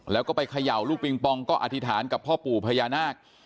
แล้วก็ไปเขย่าลูกปิงปองก็อธิษฐานกับพ่อปู่พญานาค